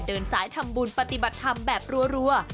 เดินสายทำบุญปฏิบัติธรรมแบบรัว